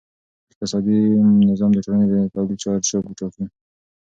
اقتصادي نظام د ټولنې د تولید چارچوب ټاکي.